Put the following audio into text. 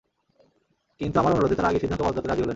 কিন্তু আমার অনুরোধে তারা আগের সিদ্ধান্ত বদলাতে রাজি হলেন।